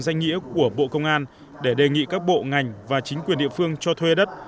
danh nghĩa của bộ công an để đề nghị các bộ ngành và chính quyền địa phương cho thuê đất